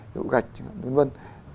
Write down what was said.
ví dụ gạch vân vân